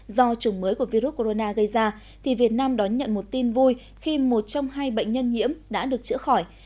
do chủng mới của virus corona gây ra thì việt nam đón nhận một tin vui khi một trong hai bệnh nhân nhiễm đã được chữa khỏi